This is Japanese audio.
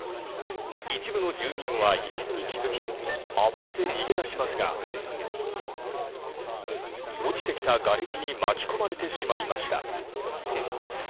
一部の住民は異変に気付き慌てて逃げ出しますが落ちてきたがれきに巻き込まれてしまいました。